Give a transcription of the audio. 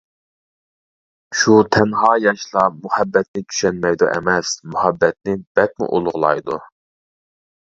شۇ تەنھا ياشلار مۇھەببەتنى چۈشەنمەيدۇ ئەمەس، مۇھەببەتنى بەكمۇ ئۇلۇغلايدۇ.